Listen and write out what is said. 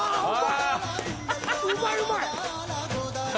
うまいうまい。